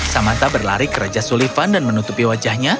samanta berlari ke raja sulivan dan menutupi wajahnya